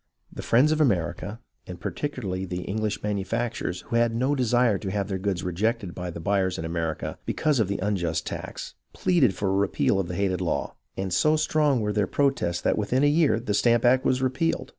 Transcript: THE BEGINNINGS OF THE TROUBLE 1 3 The friends of America, and particularly the English manufacturers, who had no desire to have their goods rejected by the buyers in America, because of the unjust tax, pleaded for a repeal of the hated law, and so strong were their protests that within a year the Stamp Act was repealed.